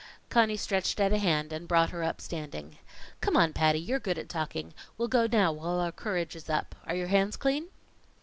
Conny stretched out a hand and brought her up standing. "Come on, Patty, you're good at talking. We'll go down now while our courage is up. Are your hands clean?"